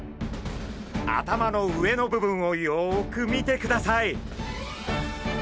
頭の上の部分をよく見てください。